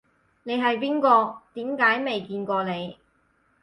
你係邊個？點解未見過你